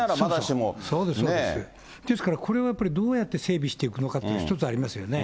ですからこれをやっぱりどうやって整備していくのかって、１つありますよね。